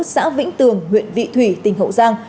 xã vĩnh tường huyện vị thùy tỉnh hậu giang